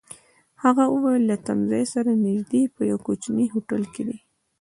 هغه وویل: له تمځای سره نژدې، په یوه کوچني هوټل کي دي.